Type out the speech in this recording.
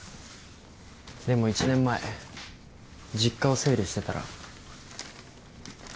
でも１年前実家を整理してたら。